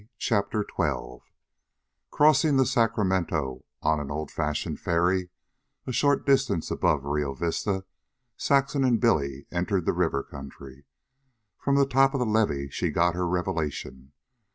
CHAPTER XII Crossing the Sacramento on an old fashioned ferry a short distance above Rio Vista, Saxon and Billy entered the river country. From the top of the levee she got her revelation.